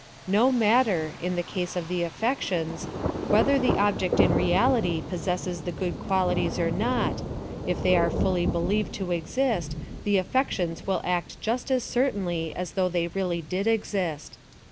No matter, in the case of the affec tions, whether the object in reality possesses the good qualities or not, if they are fully believed to exist, the affections will act just as certainly as though they really did exist.